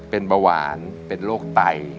เป็นเบาหวานเป็นโรคไต